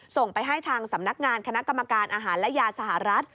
ส่งไปให้ทางสำนักงานคณะกรรมการอาหารและยาสหรัฐ